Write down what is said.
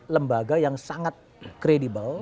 lembaga yang sangat kredibel